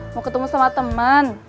mau ketemu sama teman